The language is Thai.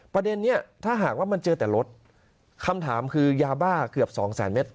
ประเด็นนี้ถ้าหากว่ามันเจอแต่รถคำถามคือยาบ้าเกือบสองแสนเมตร